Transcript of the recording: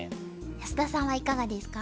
安田さんはいかがですか？